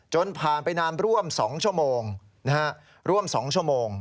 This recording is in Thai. จนผ่านไปนานร่วมสองชั่วโมงนะฮะร่วมสองชั่วโมง